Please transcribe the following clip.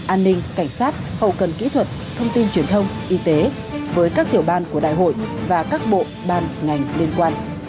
an ninh cảnh sát hậu cần kỹ thuật thông tin truyền thông y tế với các tiểu ban của đại hội và các bộ ban ngành liên quan